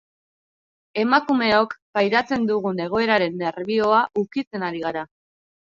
Emakumeok pairatzen dugun egoeraren nerbioa ukitzen ari gara.